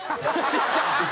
ちっちゃ！